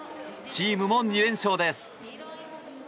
チームも２連勝です。